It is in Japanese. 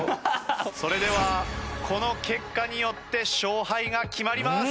それではこの結果によって勝敗が決まります。